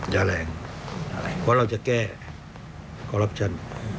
อย่าแรงเพราะเราจะแก้คอรัปชั่น